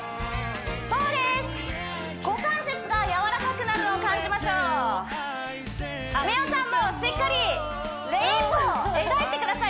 股関節がやわらかくなるのを感じましょう美桜ちゃんもしっかりレインボー描いてください